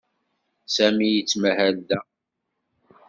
Sami yettmahal da.